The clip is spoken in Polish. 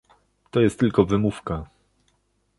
To jest tylko wymówka